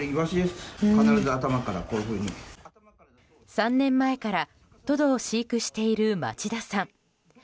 ３年前からトドを飼育している町田さん。